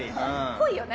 濃いよね。